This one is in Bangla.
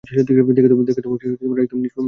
দেখে তো একদম নিষ্পাপ মনে হচ্ছে।